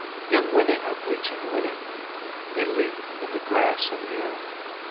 Young women are bleaching linen; They leap in the grass anear.